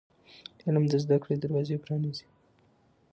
علم د زده کړې دروازې پرانیزي.